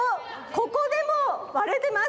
ここでもわれてます！